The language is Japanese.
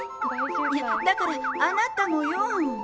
いや、だからあなたもよ。